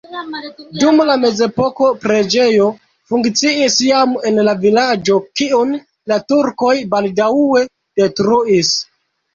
Dum la mezepoko preĝejo funkciis jam en la vilaĝo, kiun la turkoj baldaŭe detruis.